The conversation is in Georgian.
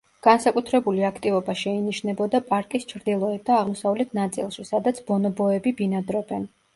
განსაკუთრებული აქტივობა შეინიშნებოდა პარკის ჩრდილოეთ და აღმოსავლეთ ნაწილში, სადაც ბონობოები ბინადრობენ.